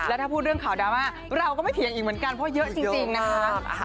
แล้วถ้าพูดเรื่องข่าวดราม่าเราก็ไม่เถียงอีกเหมือนกันเพราะเยอะจริงนะคะ